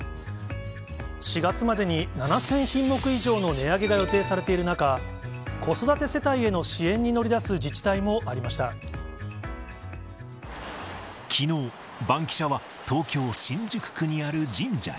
４月までに７０００品目以上の値上げが予定されている中、子育て世帯への支援に乗り出す自きのう、バンキシャは東京・新宿区にある神社へ。